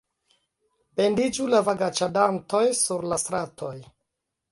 Pendiĝu la vagaĉadantoj sur la stratoj!